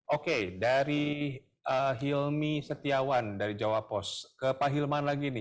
oke dari hilmi setiawan dari jawa post ke pak hilman lagi nih